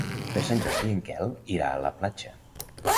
Per Sant Jordi en Quel irà a la platja.